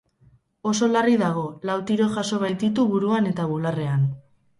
Oso larri dago, lau tiro jaso baititu buruan eta bularrean.